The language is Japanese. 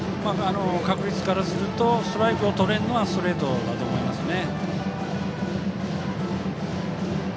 確率からするとストライクをとれるのはストレートだと思いますね。